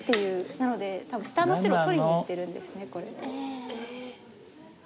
なので多分下の白を取りにいってるんですこれ。